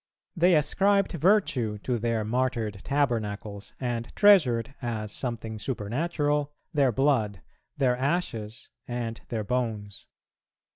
They ascribed virtue to their martyred tabernacles, and treasured, as something supernatural, their blood, their ashes, and their bones.